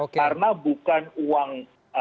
karena bukan uang